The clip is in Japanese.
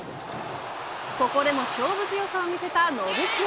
ここでも勝負強さを見せた延末。